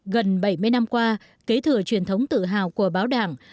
gần bảy mươi năm qua kế thừa truyền thống tự hào của báo đảng